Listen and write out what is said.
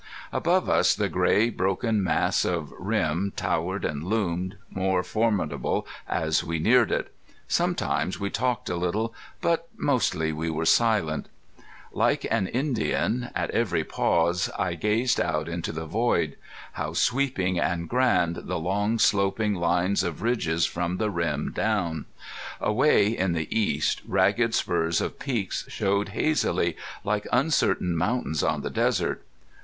Above us the gray broken mass of rim towered and loomed, more formidable as we neared it. Sometimes we talked a little, but mostly we were silent. [Illustration: MEAT IN CAMP] [Illustration: (2) MEAT IN CAMP] Like an Indian, at every pause, I gazed out into the void. How sweeping and grand the long sloping lines of ridges from the rim down! Away in the east ragged spurs of peaks showed hazily, like uncertain mountains on the desert.